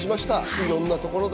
いろんなところで。